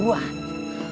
kamu harus menjaga aku